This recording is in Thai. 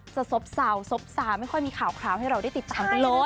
จะสบสาวสบสาวไม่ค่อยมีข่าวให้เราได้ติดตามกันเลย